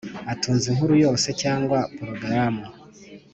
Atunze inkuru yose cyangwa porogramu